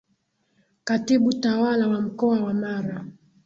Katibu Tawala wa Mkoa wa Mara